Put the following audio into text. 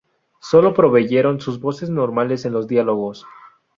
Sólo proveyeron sus voces normales en los diálogos.